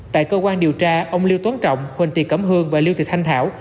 tại cơ quan điều tra ông lưu tuấn trọng huỳnh tị cẩm hương và lưu thị thanh thảo